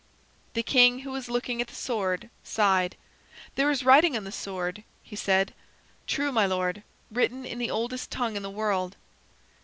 The king, who was looking at the sword, sighed. "There is writing on the sword," he said. "True, my lord, written in the oldest tongue in the world."